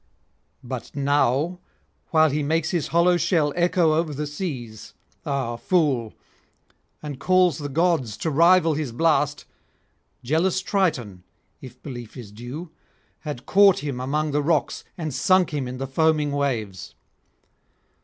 But now, while he makes his hollow shell echo over the seas, ah fool! and calls the gods to rival his blast, jealous Triton, if belief is due, had caught him among the rocks and sunk him in the foaming waves.